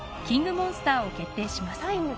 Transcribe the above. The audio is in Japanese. モンスターを決定します